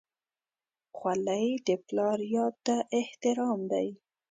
خولۍ د پلار یاد ته احترام دی.